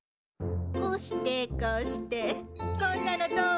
こうしてこうしてこんなのどう？